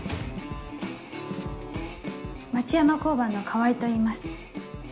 町山交番の川合といいます。